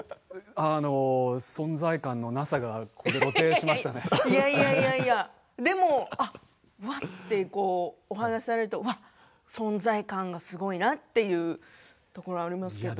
存在感のなさがいやいやいやでも、わっとお話をされると存在感がすごいなっていうところがありますけど。